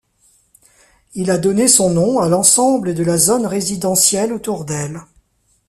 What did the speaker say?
Il a donné son nom à l'ensemble de la zone résidentielle autour d'elle.